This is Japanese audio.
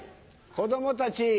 子供たち！